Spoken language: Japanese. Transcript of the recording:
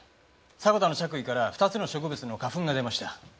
迫田の着衣から２つの植物の花粉が出ました。